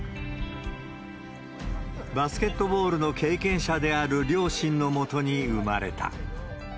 バスケットボールの経験者である両親のもとに生まれた。